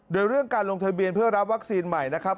โดยเรื่องการลงทะเบียนเพื่อรับวัคซีนใหม่นะครับ